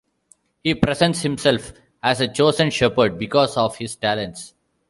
He presents himself as a chosen shepherd because of his talents.